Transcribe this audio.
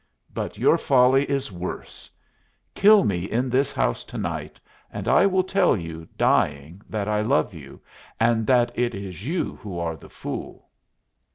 But your folly is worse. Kill me in this house to night, and I will tell you, dying, that I love you, and that it is you who are the fool."